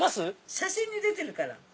写真に出てるから。